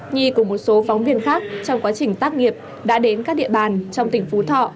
nhi cùng một số phóng viên khác trong quá trình tác nghiệp đã đến các địa bàn trong tỉnh phú thọ